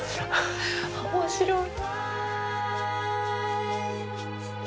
面白い。